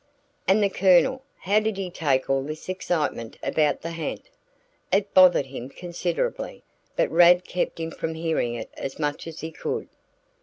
"And the Colonel, how did he take all this excitement about the ha'nt?" "It bothered him considerably, but Rad kept him from hearing it as much as he could."